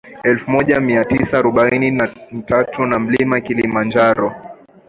elfu moja mia tisa arobaini na tatu na Mlima Kilimanjaro